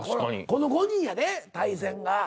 この５人やで対戦が。